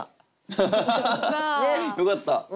よかった！